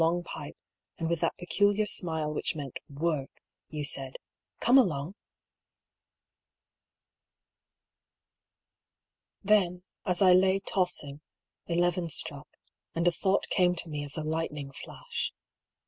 131 long pipe, and with that peculiar smile which meant worhy you said, " Come along !" Then, as I lay tossing, eleven struck, and a thought came to me as a lightning flash.